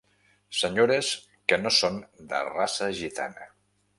Senyores que no són de raça gitana.